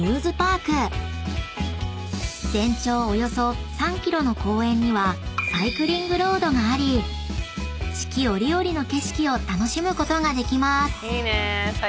［全長およそ３ｋｍの公園にはサイクリングロードがあり四季折々の景色を楽しむことができます］